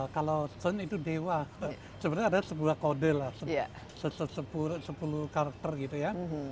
kalau sonn itu dewa sebenarnya ada sebuah kode lah sepuluh karakter gitu ya